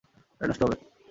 গাড়ি নষ্ট হবে।